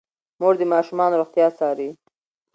مور د ماشومانو روغتیا څاري.